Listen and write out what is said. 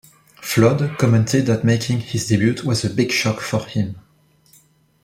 Flood commented that making his debut was a "big shock" for him.